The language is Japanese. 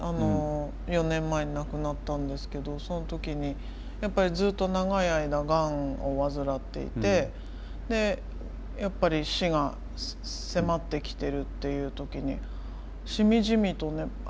４年前に亡くなったんですけどその時にやっぱりずっと長い間がんを患っていてでやっぱり死が迫ってきてるっていう時にしみじみとね